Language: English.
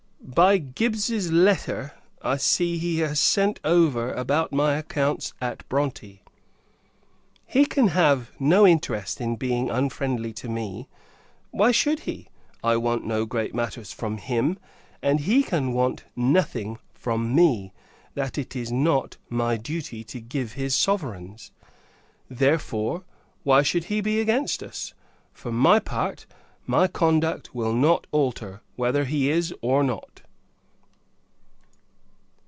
By Gibbs's letter, I see, he has sent over about my accounts at Bronte. He can have no interest in being unfriendly to me. Why should he? I want no great matters from him; and he can want nothing from me, that it is not my duty to give his Sovereigns: therefore, why should he be against us! For my part, my conduct will not alter, whether he is or not.